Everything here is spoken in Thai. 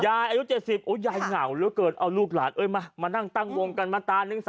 ยายอายุ๗๐ยายเหงาหรือเกิดเอาลูกหลัดมานั่งตั้งวงกันมาตานึง